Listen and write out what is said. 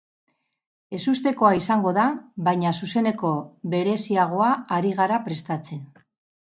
Ezustekoa izango da, baina zuzeneko bereziagoa ari gara prestatzen.